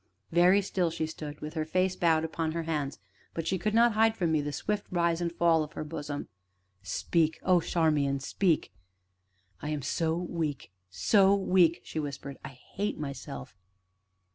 Very still she stood, with her face bowed upon her hands, but she could not hide from me the swift rise and fall of her bosom. "Speak oh, Charmian, speak!" "I am so weak so weak!" she whispered; "I hate myself."